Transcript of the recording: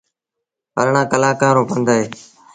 اَرڙآن ڪلآنڪآن رو پنڌ اهي۔